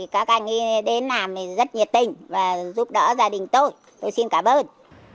các anh ấy đến làm rất nhiệt tình và giúp đỡ gia đình tôi tôi xin cảm ơn